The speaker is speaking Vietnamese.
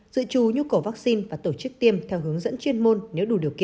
dự trù nhu cầu vaccine và tổ chức tiêm theo hướng dẫn chuyên môn